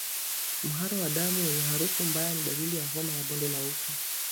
Mharo wa damu wenye harufu mbaya ni dalili ya homa ya bonde la ufa